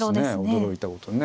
驚いたことにね。